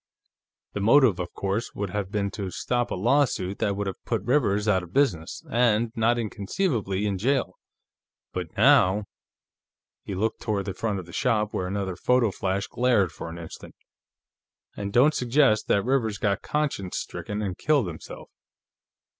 The motive, of course, would have been to stop a lawsuit that would have put Rivers out of business and, not inconceivably, in jail. But now ..." He looked toward the front of the shop, where another photo flash glared for an instant. "And don't suggest that Rivers got conscience stricken and killed himself.